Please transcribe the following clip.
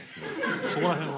そこら辺は。